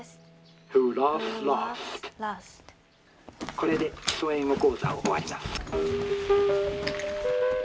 「これで『基礎英語講座』を終わります」。